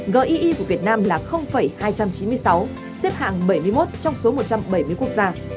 gie của việt nam là hai trăm chín mươi sáu xếp hạng bảy mươi một trong số một trăm bảy mươi quốc gia